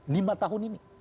lima tahun ini